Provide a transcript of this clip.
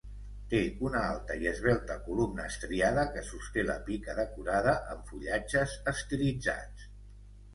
Té una alta i esvelta columna estriada que sosté la pica decorada amb fullatges estilitzats.